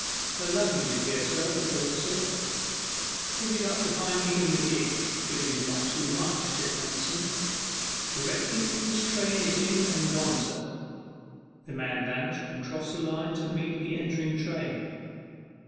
'Her luggage is here, sir,' the porter said. 'Put it up behind me in the gig if it is not too much,' said Manston. 'Directly this train is in and gone, sir.' The man vanished and crossed the line to meet the entering train.